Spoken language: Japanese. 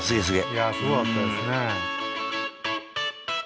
いやすごかったですね。